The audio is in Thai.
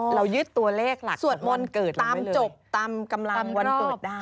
เรายึดตัวเลขหลักสวดมนต์เกิดตามจบตามกำลังวันเกิดได้